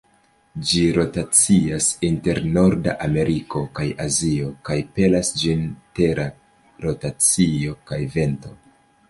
Ĝi rotacias inter Nord-Ameriko kaj Azio kaj pelas ĝin Tera rotacio kaj vento.